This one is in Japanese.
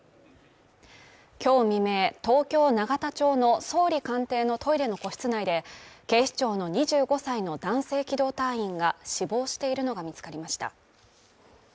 今日未明、東京永田町の総理官邸のトイレの個室内で警視庁の２５歳の男性機動隊員が死亡しているのが見つかりました。